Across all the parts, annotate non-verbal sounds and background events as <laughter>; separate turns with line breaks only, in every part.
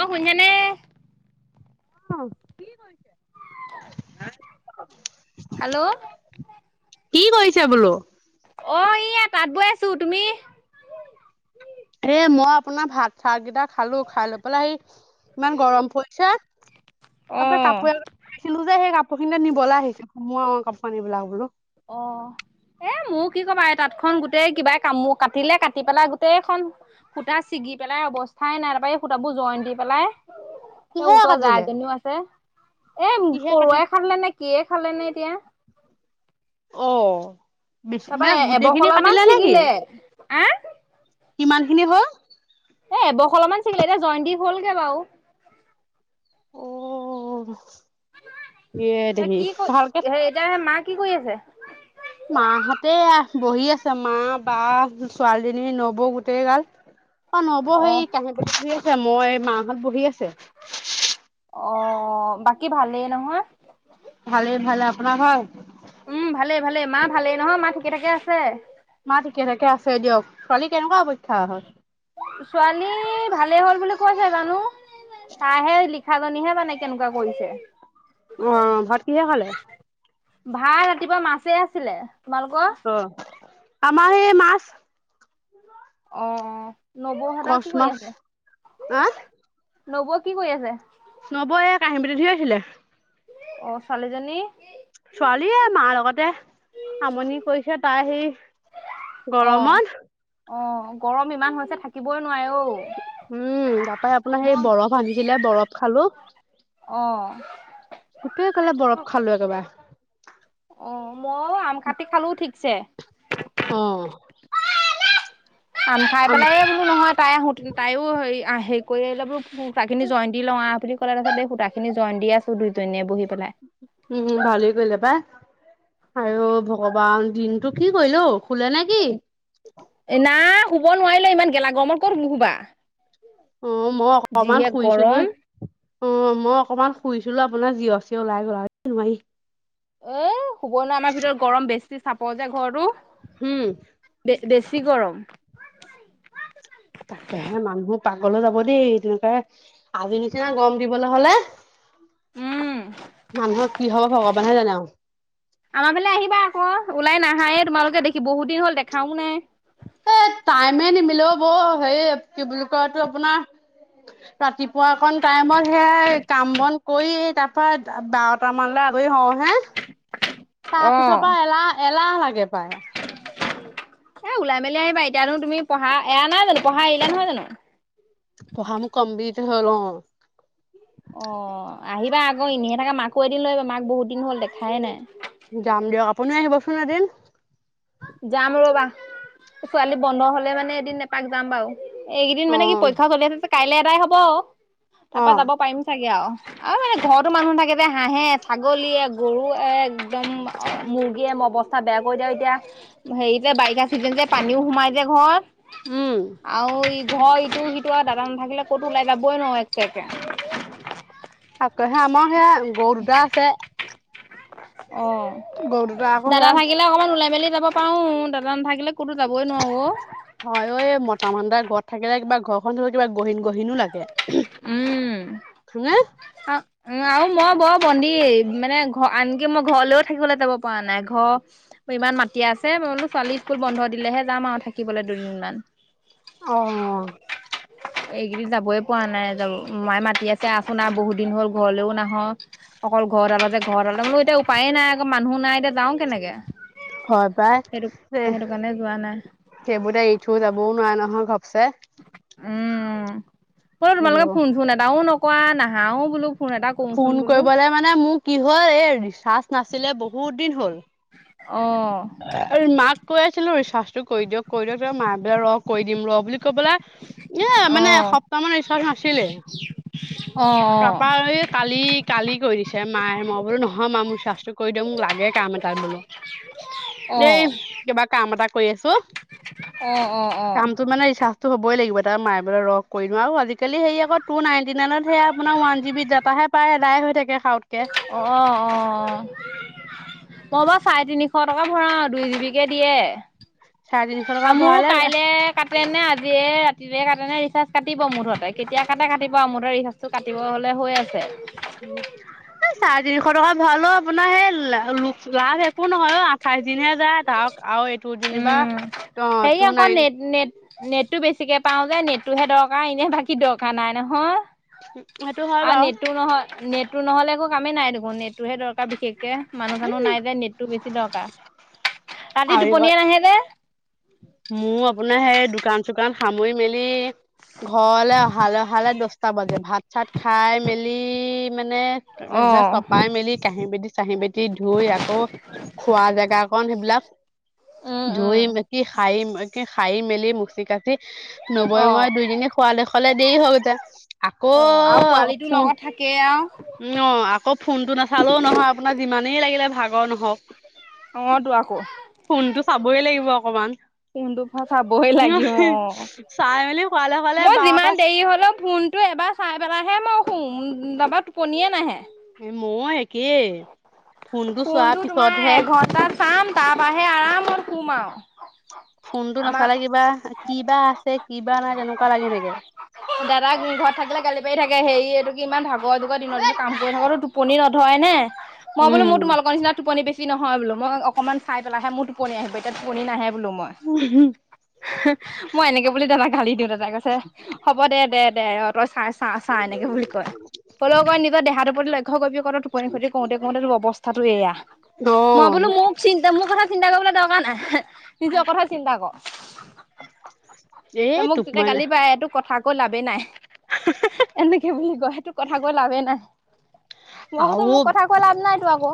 অ' শুনিছেনে?
অ' কি কৰিছে?
হেল্ল'?
কি কৰিছে বোলো?
অ' এইয়া তাত বৈ আছো, তুমি?
এ মই আপোনাৰ ভাত চাত কিটা খালো, খাই লৈ পেলাই সেই ইমান গৰম পৰিছে।
অ
তাৰ পৰা কাপোৰ এযোৰ পাইছিলো যে, সেই কাপোৰ খিনিকে নিবলৈ আহিছো, সোমোৱা কাপোৰ বিলাক বোলো।
অ'। এ মোৰ কি কবা এই তাতখন গোটেই কিবাই কামোৰ কাটিলে কাটি পেলাই গোটেইখন। সূতা ছিগি পেলাই অৱস্থাই নাই, তাপা এই সূতাবোৰ জইন দি পেলাই। এ
কিহেৰে
ওচৰৰ
কাটিলে
গাই জনীও আছে, এ
কিহে কাটিলে
পৰুৱাই খালালে নে কিয়ে খালে নে এতিয়া।
অ'। বিচ
তাৰপা
মেচ গোটেইখিনি
এবখলা মান
কাটিলে নেকি?
ছিগিলে আহ
কিমান খিনি হল?
এ এবখলা মান চিগিলে এতিয়া জইন দি হ'লগে বাৰু।
অ ইয়ে
ত
দেহী
কি ক
ভালকে
এতিয়া মা কি কৰি আছে?
মাহঁতে এয়া বহি আছে, মা, বা, ছোৱালীজনী, নবৌ, গোটেই গাল। নবৌ
অ
সেই কাঁহি বাতি ধুই আছে, মই মাহঁত বহি আছে।
অ বাকী ভালেই নহয়?
ভালেই ভালেই আপোনাৰ ভাল?
উম' ভালেই ভালেই, মা ভালেই নহয় ঠিকে ঠাকে আছে?
মা ঠিকে থাকে আছে দিয়ক, ছোৱালী কেনেকুৱা পৰীক্ষা হ'ল?
ছোৱালী ভালেই হ'ল বুলি কৈছে জানো। তাইহে, লিখাজনীহে জানে কেনেকুৱা কৰিছে।
অ' ভাত কিহে খালে?
ভাত ৰাতিপুৱা মাছেই আছিলে। তোমালোকৰ
অ' আমাৰ সেই মাছ।
অ' অ' নবৌহঁতৰ
কচ
কি কৰি
মাছ।
আছে?
হা
নবৌ কি কৰি আছে?
নবৌ এয়ে কাঁহী বাতি ধুই আছিলে।
অ' ছোৱালীজনী?
ছোৱালীয়ে মাৰ লগতে, আমনি কৰিছে তাই সি
অ
গৰমত।
অ' গৰম ইমান হৈছে থাকিবই নোৱাৰে ঔ।
উম' তাপা আপোনাৰ সেই বৰফ আনিছিলে বৰফ খালো।
অ।
গোটেই গালে বৰফ খালো একেবাৰে।
অ' মইও আম কাটি খালো ঠিকছে।
অ।
আম খাই পেলাই এ বোলো নহয় তাই আহো তাইও হ হেৰি কৰি আহিলে বোলো সূতা খিনি জইন দি লওঁ আহ বুলি ক'লে, তাৰ পিছত এই সূতা খিনি জইন দি আছো। দুইজনীয়ে বহি পেলাই।
উম হুম ভালেই কৰিলে পাই আই অ ভগৱান দিনটো কি কৰিলে অ শুলে নে কি?
নাই শুব নোৱাৰিলো ইমান গেলা গৰমত ক'তনো শুবা
অ মই অকমান
যিহে গৰম।
শুইছিলোয়ে অ মই অকনমান শুইছিলো আপোনাৰ জিঞ চিঞ ওলাই গল আও নোৱাৰি
এ শুবই নোৱাৰি আমাৰ ভিতৰত গৰম বেছি চাপৰ যে ঘৰটো
উম
বে বেছি গৰম
তাকেহে মানুহবোৰ পাগল হৈ যাব দেই তেনেকে আজি নিচিনা গৰম দিবলৈ হলে
উম
মানুহৰ কি হব ভগৱানেহে জানে আও
আমাৰ ফালে আহিবা আক ওলাই নাহায়ে তোমালোকে দেখি বহুত দিন হ'ল দেখাও নাই
এ টাইমে নিমিলেও বৌ সেই কি বুলি কৈ সেইটো আপোনাৰ ৰাতিপুৱা অকন টাইমত সেয়া কাম বন কৰি তাৰ পৰা এটামানলৈ আজৰি হওঁ হে তাৰপিছৰ
অ',
পৰা এলাহ এলাহ লাগে পায়
এ ওলাই মেলি আহিবা এতিয়ানো তুমি পঢ়া এৰা নাই জানো পঢ়া এৰিলা নহয় জানো
পঢ়া মোৰ কমপ্লিট হল অ
অ আহিবা আক এনেহে থাকা মাকো এদিন লৈ আহিবা মাক বহুত দিন হ'ল দেখাই নাই
যাম দিয়ক আপুনিও আহিবচোন এদিন
যাম ৰবা ছোৱালী বন্ধ হলে মানে এদিন এপাক যাম বাৰু এইকেইদিন
অ
মানে কি পৰীক্ষা চলি আছে কাইলে এদাই হব তাৰ
অ
পৰা যাব পাৰিম চাগে আও আৰু মানে ঘৰতো মানুহ নাথাকে যে হাঁহে ছাগলীয়ে গৰু একদম মুৰ্গীয়ে অৱস্থা বেয়া কৰি দিয়ে এতিয়া হেৰি যে বাৰিষা চিজন যে পানীও সোমাই যে ঘৰত
উম
আও ই ঘৰ ইটো সিটো আৰু দাদা নাথাকিলে ক'তো ওলাই যাবই নোৱাৰো একেবাৰে
তাকেহে আমাৰ সেয়া গৰু দুটা আছে
অ
গৰু দুটা আকৌ
দাদা
সেয়া
থাকিলে অকমান ওলাই মেলি যাব পাওঁ দাদা নাথাকিলে ক'তো যাবই নোৱাৰো অ
হয় অ মতা মানুহ এটা ঘৰত থাকিলে কিবা ঘৰ ঘৰটো কিবা গহীন গহীনো লাগে হয় নে
আ উম আও মই বৰ বন্দি মানে ঘৰ আনকি মই ঘৰলৈও থাকিবলৈ যাব পৰা নাই ঘৰ ইমান মাতি আছে মই বোলো ছোৱালী স্কুল বন্ধ দিলেহে যাম আৰু থাকিবলে দুদিনমান
অ
এইকেইদিন যাবই পৰা নাই যাব মাই মাতি আছে আহচোন আহ বহুত দিন হ'ল ঘৰলেও নাহ অকল ঘৰতডালতে ঘৰডালতে মোৰ এতিয়া উপায়ে নাই আক মানুহো নাই এতিয়া যাওঁ কেনেকে
হয় পাই।
সেইটো
দে
সেইটো কাৰণে যোৱা নাই
সেইবোৰ এতিয়া এৰি থৈ যাবও নোৱাৰে নহয় ঘপছে
উম বোলো
আইঅ
তোমালোকে ফোন চোন এটাও নকৰা নাহাও বোলো ফোন এটা কৰোচোন
ফোন
বোলো
কৰিবলে মানে মোৰ কি হ'ল এই ৰিচাৰ্জ নাছিলে বহুত দিন হ'ল
অ
মাক কৈ আছিলো ৰিচাৰ্চটো কৰি দিয়ক কৰি দিয়ক তাৰপিছত মা বোলে ৰহ কৰি দিম ৰ বুলি কৈ পেলাই এ
অ
মানে এসপ্তাহ মান ৰিচাৰ্চ নাছিলে
অ
তাৰপা এই কালি কালি কৰি দিছে মায়ে মই বোলো নহয় মা মোৰ ৰিচাৰ্চটো কৰি দিয়ক মোক লাগে কাম এটাত বোলো
<unintelligible> অ
এই
অ
কিবা কাম এটা কৰি আছো
অ', অ', অ'।
কামটো মানে ৰিচা তো হ'বই লাগিব তাৰ মা এ বোলে ৰহ কৰি দিও আৰু আজি আজিকালি হে আকৌ টু নাইণ্টি নাইনত সে আপোনাৰ ওৱান জিব বি দাটাহে পায় এদাই হৈ থাকে খাউতকৈ
অ অ মই বাও চাৰে তিনিশ টকা ভৰাও দুই জিবি কে দিয়ে
চাৰে তিনিশ টকা
আমিও
ভৰালে এ
কাইলে কাটে নে আজিয়ে ৰাতিটোৱে কাটে নে ৰিচাৰ্জ কাটিব মুঠতে কেতিয়া কাতে কাটিব মুঠতে ৰিচাৰ্জটো কাটিব হলে হৈ আছে
উম এই চাৰে তিনিশ টকা ভৰালেও আপোনাৰ সেই লাভ একো নহয় অ' আঠাইশ দিনহে যায় ধৰক। আও এইটো যেনিবা
উম,
অ'
হেৰি
টু
আকৌ
নাইন
নেট নেটটো বেছিকে পাওঁ যে নেটটোহে দৰকাৰ, এনে বাকী দৰকাৰ নাই নহয়।
সেইটো হয়
আৰু
বাৰু
নেটটো নহ নেটটো নহলে একো কামেই নাই দেখোন, নেটটোৰহে দৰকাৰ বিশেষকে। মানুহ চানুহ নাই যে নেটটো বেছি দৰকাৰ, ৰাতি
আৰু
টোপনিয়ে নাহে যে।
মোৰ আপোনাৰ সেই দোকান চোকান সামৰি মেলি ঘৰলৈ অহালৈ অহালে দশটা বজে। ভাত চাত খাই মেলি মানে এইবিলাক
অ',
চপাই মেলি কাঁহি বাতি কাঁহি বাতি ধুই আকৌ খোৱা জেগাকন, সেইবিলাক
উম, উম,
ধুই মেকি সাৰি ম কি সাৰি মেলি মুচি কাচি নবৈ
অ'।
মই দুইজনী শোৱালে শোৱালে দেৰি হৈ যায়। আকৌ ফোন
কে আৰু
অ' আকৌ ফোনটো নাচালেও নহয়। আপোনাৰ যিমানেই লাগিলে ভাগৰ নহওক।
অ' তো আকৌ।
ফোনটো চাবই লাগিব অকমান।
ফোনটোফ চাবই লাগিবঅ'।
চাই মেলি শুৱালে শুৱালে
মই
বাৰটা
যিমান দেৰি হ'লেও ফোন টো এবাৰ চাই পেলাইহে মই শোওঁ নাইবা টোপনিয়ে নাহে।
এ মইয়ো একেই, ফোনটো চোৱাৰ
তোমাৰ
পিছতহে
এঘন্টা চাম তাৰপাহে আৰামত শুম আৰু।
ফোনটো
আমাৰ
নাচালে কিবা, কিবা আছে কিবা নাই তেনেকুৱা লাগে থাকে।
দাদা ঘৰত থাকিলে গালি পাৰি থাকে। হেই এইটো কি ইমান ভাগৰ দুগৰ দিনৰ দিনটো কাম কৰি থাকটো টোপনি ন ধৰেনে? মই বোলো
উম
মোৰ তোমালোক নিচনা টোপনি তি নহয় বোলো, মই অকণমান চাই পেলাইহে মোৰ টোপনি আহিব। এতিয়া টোপনি নাহে বোলো মই।
উম হুম।
মই এনেকে বুলি দাদা গালি দিওঁ। দাদা কৈছে হ'ব দে দে অ'। ৰ' চাই চা চা এনেকে বুলি কয়। হ'লেও তই নিজৰ দেহাটোৰ প্ৰতি লক্ষ্য কৰিবি কয়।
উ <unintelligible>
কওঁতে কওঁতে তোৰ অৱস্থাতটো এয়া। মই
অ',
বোলো মোক চিন্তা মোৰ কথা চিন্তা কৰিবলৈ দৰকাৰ নাই, নিজৰ কথা চিন্তা কৰ। ত
এই
মোক
টোপ
তেতিয়া
মানে
গালি পাৰে। তোক কথা কৈ কৈ লাভে নাই, এনেকে বুলি কয় সেই তোক কথা কৈ লাভে নাই। মই কৈছো
আৰু
মোক কথা কৈ লাভ নাই তো আকৌ।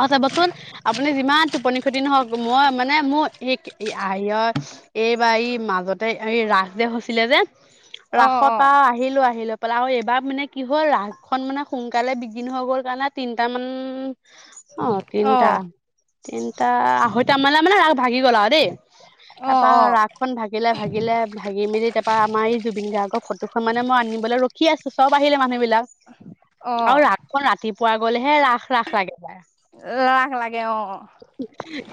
অ' চাবচোন আপুনি যিমান টোপনি ক্ষতি নহওক মই মানে মোৰ এইৰ এইবাৰ এই মাজতে এই ৰাস যে হৈছিলে যে
অ
ৰাস
অ
পা আহিলোঁ আহিলৈ পেলা আও এইবা মানে কি হ'ল ৰাস খন মানে সোংকালে বিগিন হৈ গ'ল কাণে তিনটামান অ', তিনটা তিনটা আঢ়ৈটা <unintelligible> মানে ৰাস ভাগি গ'ল আও দেই তাপা
অ অ
ৰাস খন ভাগিলে ভাগিলে ভাগি মেলি তাপা আমা এই জুবিন গাৰ্গ ফটোখন মানে মই আনিবলৈ ৰ খি আছোঁ চব আহিলে মানুহবিলাক।
অ'।
অকণ ৰাতিপুৱা গ'লেহে ৰাস ৰাস লাগে এইবাৰ।
ৰাস লাগে অ',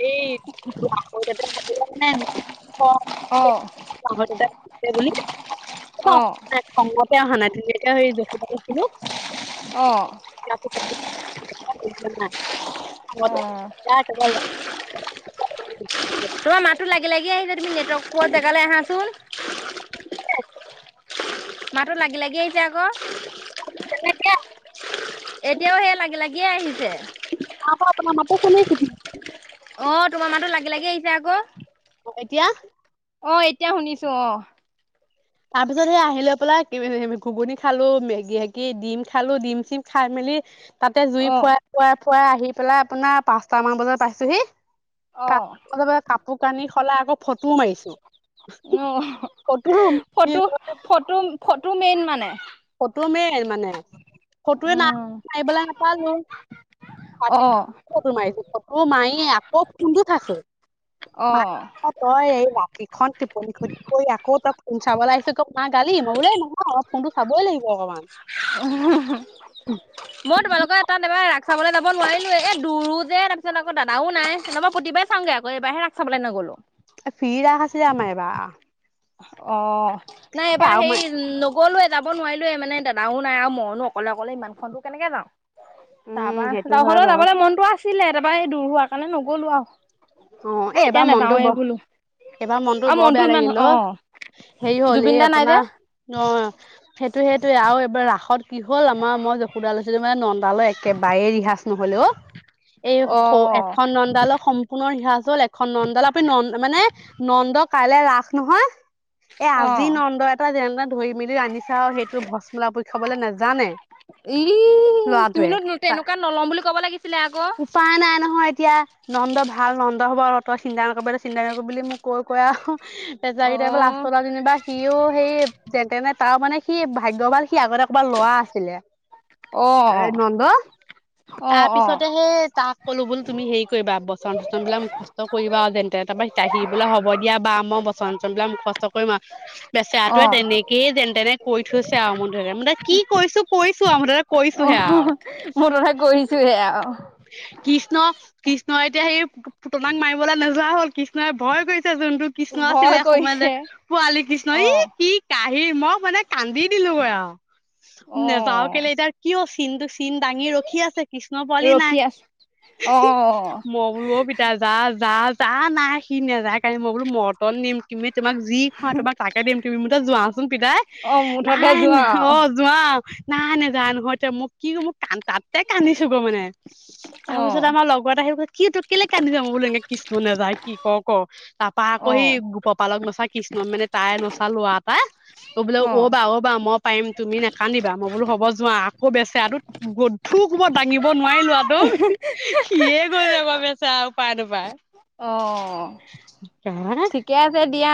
এই <unintelligible>
অ
<unintelligible>
অ'।
তাই খঙতে অহা নাই ধুনিয়াকে সেই যশোদা লছিলোঁ
অ'।
<unintelligible>
অ
<unintelligible>
তোমা মাতটো লাগি লাগি আহিছে তুমি নেটৱৰ্ক পোৱা জেগালে আহাচোন। মাতো লাগি লাগি আইছে আকৌ।
<unintelligible> এতিয়া?
এতিয়াও সেই লাগি লাগিয়ে আহিছে।
মই আকৌ আপোনা মাতটো শুনিছোঁ।
অ', তোমা মাতো লাগি লাগি আহিছে আকৌ।
অ', এতিয়া?
অ', এতিয়া শুনিছোঁ অ'।
তাপিছত সেই আহিলৈ পেলাই <unintelligible> ঘুগুনি খালোঁ মেগি হে গি ডিম খালোঁ ডিম চিম খাই মেলি তাতে জুই
অ
ফুৱাই ফুৱাই ফুৱাই আহি পেলাই আপোনা পাঁচটা মান বজা পাইছোঁহি।
অ
<unintelligible> কাপো কানি সলাই আকৌ ফট টো মাৰিছোঁ
অ অ
photo
photo photo photo main মানে
ফটো মেইন মানে আ ফটো এ না
উম
মাইবলে নাপালোঁ।
অ
<unintelligible> ফটো মাৰিছো ফটো মাই আকৌ ফোনটো চাছোঁ।
অ
<unintelligible> অ', তই এই ৰাতিখন টোপনি খতি কৰি আকৌ তই ফোন চাবলে আহিছ ক মা গালি মই বোলোঁ এ, নহয় অলপ ফোনটো চাবই লাগিব অকমান।
অ', <unintelligible>
<inaudible>
ম তোমালোক তাত এবা ৰাস চাবলে যাব নোৱাৰিলোঁ এ, দূৰো যে তাপিছত আকৌ দাদাও নাই নহ'বা পতি বাএ চাওংগে আকৌ এইবাৰহে ৰাস চাবলে নগ'লো।
এ, ফ্ৰী ৰাস আছিলে আমা এইবা
অ', নাই এবাৰ
আৰু মই
হেৰি নগ গ'লোৱে যাব নোৱাৰিলোৱে মানে দেদাও নাই আওঁ মইনো অকলে অকলে ইমানখন দূ কেনেকে যাওঁ।
উম
তাপা
সেইটো হয়
<unintelligible>
বাৰু
যাবলে মনটো আছিলে তাপা এই দূৰ হোৱা কাণে নগ'লো আও।
অ', এ, এবা মনটো ব এইবা মনটো
আৰু
বৰ
মনতো
বেয়া
ইমান
লাগিল অ'। হেই হ'ল এ,
জুবিন দা নাই
আপোনা
যে
অ', সেটো সেটোৱে আও এইবা ৰাসত কি হ'ল আমা মই যশোদা লৈছিলোঁ মানে নন্দালয় একেবাৰে ৰিহাচ নহ'লে অ'। এই সও
অ'।
এখন নন্দালয় সম পুনৰ ৰিহাৰ্চেল এখন নন্দ ল আপুনি ন মানে নন্দ কাইলৈ ৰাস নহয় এ
অ',
আজি নন্দ এটা যেনে তেনে ধৰি মেলি আনিছে আৰু সেইটো ভসমলা পুই খাবলৈ নাজানে।
ই
ল'ৰাটোৱে
তুমিনো
তা
তেনেকুৱা নল'ম বুলি ক'ব লাগিছিলে আকৌ।
উপায় নাই নহয় এতিয়া নন্দ ভাল ভাল নন্দ হ'ব আৰু তই চিন্তা নকৰিবি চিন্তা নকৰিবি বুলি মোক কৈ কৈ আও তেজাৰিতে <unintelligible>
অ',
লাষ্টলৈ যেনিবা সিও সেই যেনতেনে তাৰ মানে সি ভাগ্যভাল সি আগতে ক'বাৰ ল'ৱা আছিলে।
অ',
এ নন্দ
অ', অ',
তাৰপিছতে সেই তাক কলো বোলো তুমি হেৰি কৰিবা বচন চচন বিলাক মুখচ ট কৰিবা আৰু যেনে তেনে তাৰপৰা সি বোলে হ'ব দিয়া বা মই বচন চচনবিলাক মুখস্থ কৰিম আৰু। বেচেৰাটোৱে
অ',
তেনেকেই যেন তেনে কৰি থৈছে আৰু মুঠতে <unintelligible> কি কৰিছোঁ কৰিছোঁ আও মুঠতে। কৰিছোহে
অ'
আৰু
মুঠতে কৰিছোহে আৰু।
কৃষ্ণ। কৃষ্ণই এতিয়া সেই পুটনাক মাৰিবলৈ নোযোৱা হ'ল কৃষ্ণই ভয় কৰিছে জোনটো কৃষ্ণ আছিলে
ভয় কৰিছে
এসময়ত পোৱালি কৃষ্ণ ই
অ',
কি কাহি, মই মানে কান্দি দিলোগৈ আও। নেযাৱ
অ',
কেলে এতিয়া কি অ', চিনটো চিন দাঙি ৰখি আছে, কৃষ্ণ পোৱালি
ৰখি
নাই। মই
আছো। অ',
বোলো অ', পিতাই যা, যা, যা, নাই সি নাযায়, কাইলে মই বোলো মৰ্টন দিম তোমাক যি খোৱা, তোমাক তাকে দিম। তুমি মুঠতে যোৱাচোন পিতাই।
অ', মুঠতে
নাই,
যোৱা
না, অ'। যাওঁ। নাই, নেযাই নহয় এতিয়া। মই কি কৰিম? মই কা, তাতে কান্দিছো গৈ মানে। তাৰপিছত
অ',
আমাৰ লগৰ এটা আহি ক, কি হ'ল, তই কেলে কান্দিছ? মই বোলো এনেকৈ কৃষ্ণ নাযায়, কি কৰ কৰ। তাৰপা আকৌ হেই,
অ',
গোপপালক নচা কৃষ্ণ, মানে তাৰে নচা লৰা এটাই, অ' বোলে অ', বা অ' বা মই পাৰিম, তুমি নেকান্দিবা। মই বোলো হ'ব যোৱা। আকৌ বেচেৰাটোক, গধুৰ কোবত দাঙিব নো নোৱাৰিলোঁ আও <unintelligible> সিয়ে গৈছে গৈ বেচেৰা উপায় নাপায়।
অ', ঠিকে আছে দিয়া।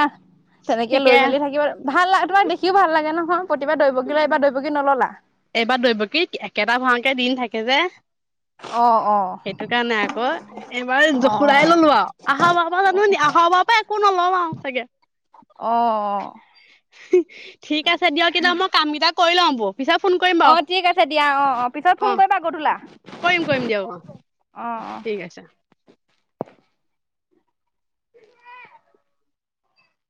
তেনেকে লৈ
ঠিকে
মেলি থাকিবা। ভাল লা, তোমাক দেখিও ভাল লাগে নহয়। প্ৰতিবাৰে দৈৱকী লোৱা, এইবাৰ দৈৱকী নল'লা।
এইবাৰ দৈৱকী, একেটা ভাৱৰীয়াকে দি নাথাকে যে।
অ', অ'।
সেইটো কাৰণে আকৌ। এইবাৰ
অ', অ',
যশোদাই ল'লো আৰু। আহা বাৰ পৰা জানো, আহা বাৰ পৰা একো নলওঁ আৰু চাগে। <inaudible>
অ', অ'।
ঠিক আছে দিয়ক। এতিয়া মই কাম কেইটা কৰি লওঁ বৌ। পিছত ফোন কৰিম
অ,
বাৰু
ঠিক আছে দিয়া। অ', অ', পিছত ফোন কৰিবা গধূলা।
কৰিম, কৰিম দিয়ক অ, অ, ঠিক আছে।